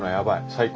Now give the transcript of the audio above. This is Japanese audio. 最高。